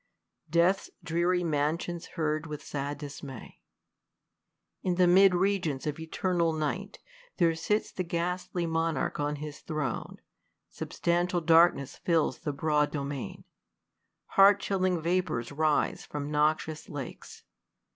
Death's dreary mansions heard with sad dismay. In the mid regions of eternal night. There sits the ghastly monarch on his throne. Substantial darkness fills the broad domain : Heart chilling vapours rise from noxious lakes.